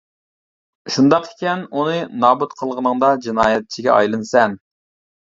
شۇنداق ئىكەن، ئۇنى نابۇت قىلغىنىڭدا جىنايەتچىگە ئايلىنىسەن.